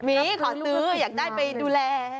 มีขอซื้ออยากได้ไปดูแล